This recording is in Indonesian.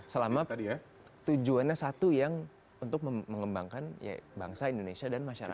selama tujuannya satu yang untuk mengembangkan bangsa indonesia dan masyarakat